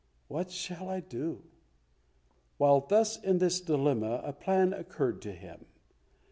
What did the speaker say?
What shall I do?" While thus in this dilemma a plan occurred to him.